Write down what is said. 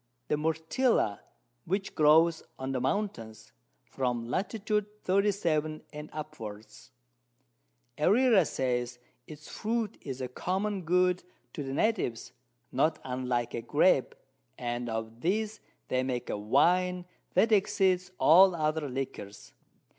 The Myrtilla which grows on the Mountains, from Lat. 37. and upwards: Herrera says, its Fruit is a common Good to the Natives, not unlike a Grape, and of this they make a Wine that exceeds all other Liquors.